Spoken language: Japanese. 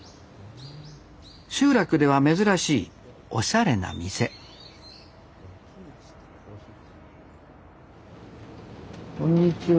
集落では珍しいおしゃれな店こんにちは。